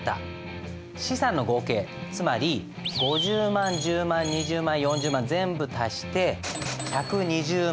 資産の合計つまり５０万１０万２０万４０万全部足して１２０万。